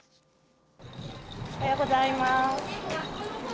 おはようございます。